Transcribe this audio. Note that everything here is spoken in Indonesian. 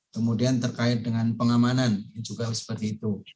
kemudian terkait dengan pengamanan juga seperti itu